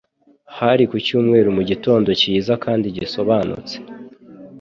Hari ku cyumweru mugitondo cyiza kandi gisobanutse.